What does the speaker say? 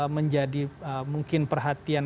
menjadi mungkin perhatian